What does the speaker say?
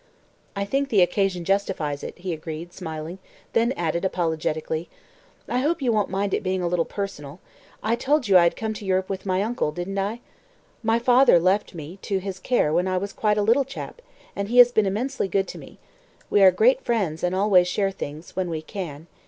"I think the occasion justifies it," he agreed, smiling; then added apologetically, "I hope you won't mind it being a little personal. I told you I had come to Europe with my uncle, didn't I? My father left me to his care when I was quite a little chap, and he has been immensely good to me. We are great friends, and always share things when we can.